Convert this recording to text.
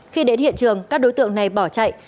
khi đến hiện trường các đối tượng này bỏ chạy